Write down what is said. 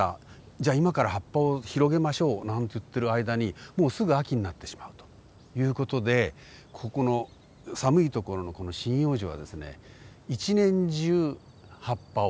じゃあ今から葉っぱを広げましょうなんていってる間にもうすぐ秋になってしまうという事でここの寒い所のこの針葉樹はですね一年中葉っぱをつける。